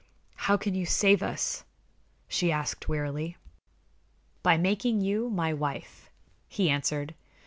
"How can you save us?" she asked, wearily. "By making you my wife," he answered.